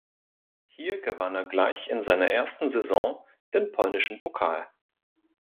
Hier gewann er gleich in seiner ersten Saison den polnischen Pokal.